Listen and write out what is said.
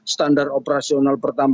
standar operasional pertahankan